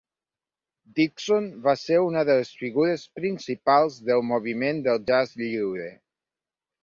Dixon va ser una de les figures principals del moviment del jazz lliure.